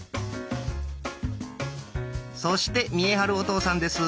そして見栄晴お父さんです。